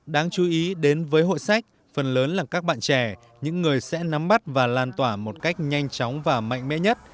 đáng chú ý đến với hội sách phần lớn là các bạn trẻ những người sẽ nắm bắt và lan tỏa một cách nhanh chóng và mạnh mẽ nhất